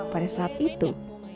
pada saat itu